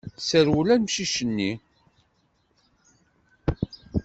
Tesserwel amcic-nni.